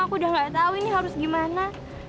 aku udah gak tahu ini harus gimana